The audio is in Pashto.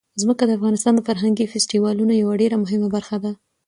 ځمکه د افغانستان د فرهنګي فستیوالونو یوه ډېره مهمه برخه ده.